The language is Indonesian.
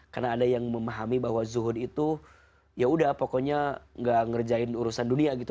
karena ada yang memahami bahwa zuhud itu ya udah pokoknya gak ngerjain urusan dunia gitu